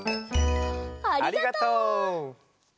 ありがとう。